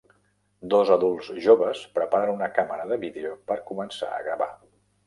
Dos adults joves preparen una càmera de vídeo per començar a gravar.